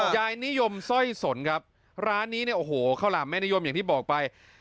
ยายนิยมสร้อยสนครับร้านนี้เนี่ยโอ้โหข้าวหลามแม่นิยมอย่างที่บอกไป